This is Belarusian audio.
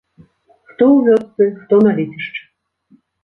Хто ў вёсцы, хто на лецішчы.